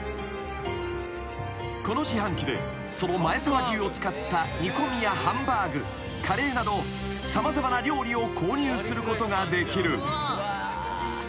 ［この自販機でその前沢牛を使った煮込みやハンバーグカレーなど様々な料理を購入することができる］